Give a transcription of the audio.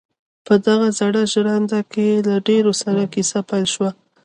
په دغه زړه ژرنده کې له درېدو سره کيسه پيل شوه.